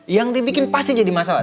yang dibikin pasti jadi masalah